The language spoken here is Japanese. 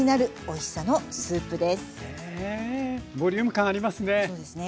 へえボリューム感ありますね。